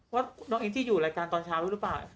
ว่าน้องเองจะอยู่รายการตอนเช้าหรือเปล่า